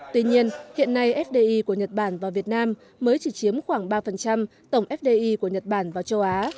tuy nhiên hiện nay fdi của nhật bản vào việt nam mới chỉ chiếm khoảng ba tổng fdi của nhật bản và châu á